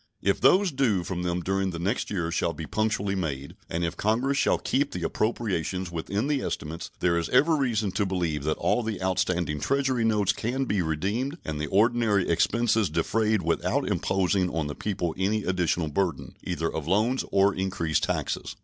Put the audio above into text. If those due from them during the next year shall be punctually made, and if Congress shall keep the appropriations within the estimates, there is every reason to believe that all the outstanding Treasury notes can be redeemed and the ordinary expenses defrayed without imposing on the people any additional burden, either of loans or increased taxes.